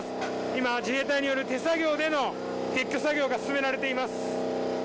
今、自衛隊による手作業での撤去作業が進められています。